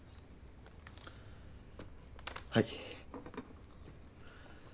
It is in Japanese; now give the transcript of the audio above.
はい。